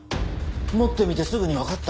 持ってみてすぐにわかった。